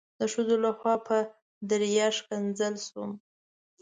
د ښځو لخوا په دریا ښکنځل شوم.